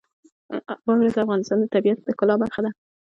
واوره د افغانستان د طبیعت د ښکلا برخه ده.